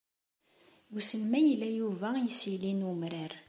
Wissen ma ila Yuba isili n umrar.